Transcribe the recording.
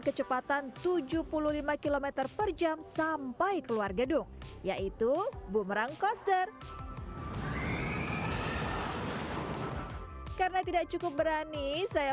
kecepatan tujuh puluh lima km per jam sampai keluar gedung yaitu bumerang koster karena tidak cukup berani saya